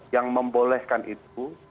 yang membolehkan itu